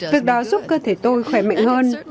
việc đó giúp cơ thể tôi khỏe mạnh hơn